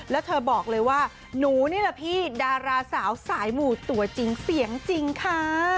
แล้วเธอบอกเลยว่านั้นหนูนี่แหละพี่ดาราสาวสายหมู่ตั๋วเจียงขันค่ะ